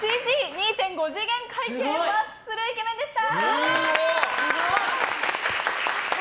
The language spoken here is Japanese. ２．５次元系マッスルイケメンでした。